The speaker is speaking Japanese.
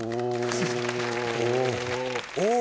お。